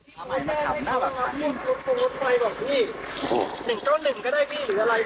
ทำไมมาขับหน้าแบบไฟ